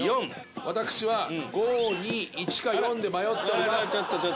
私は５−２１か４で迷っております。